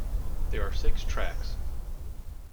There are six tracks.